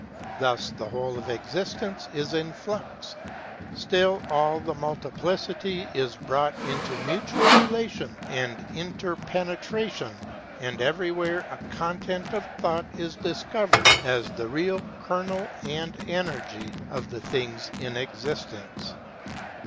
Thus the whole of Existence is in flux; still all the multiplicity is brought into mutual relation and interpene tration, and everywhere a content of Thought is discovered as the real kernel and energy of the things of existence.